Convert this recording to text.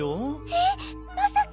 えっまさか！